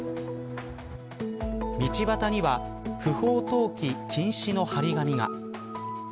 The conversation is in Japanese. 道端には不法投棄禁止の張り紙が。